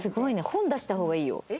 本出した方がいいよ。